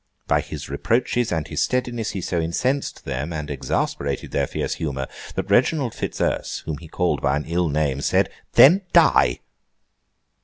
By his reproaches and his steadiness, he so incensed them, and exasperated their fierce humour, that Reginald Fitzurse, whom he called by an ill name, said, 'Then die!